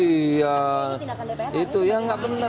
iya itu yang nggak benar